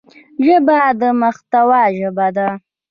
ژبه د محتوا ژبه ده